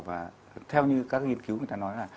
và theo như các nghiên cứu người ta nói là